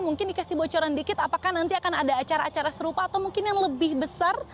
mungkin dikasih bocoran dikit apakah nanti akan ada acara acara serupa atau mungkin yang lebih besar